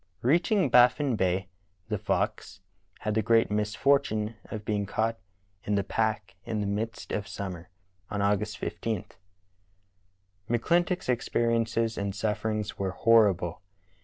Reaching Baffin Bay, theFox had the great misfortune of being caught in the pack in the midst of summer, on August 15. McClintock's experiences and sufferings vv^ere horrible.